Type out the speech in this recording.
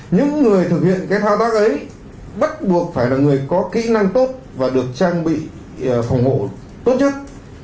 những người thực hiện cái thao tác ấy bắt buộc phải là người có kỹ năng tốt và được trang bị phòng ngủ tốt nhất